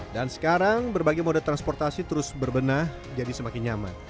dan sekarang berbagai mode transportasi terus berbenah jadi semakin nyaman